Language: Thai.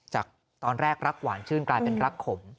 จากตอนแรกรักหวานชื่นกลายเป็นรักขม